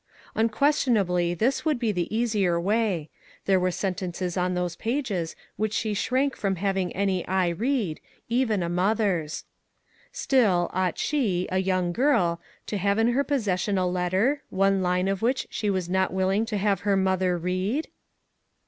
Unquestionably this would be the easier way ; there were sentences on those pages which she shrank from having any eye read, even a mother's. Still, ought she, a young girl, to have in her possession a letter, one line of which she was not willing to have her mother read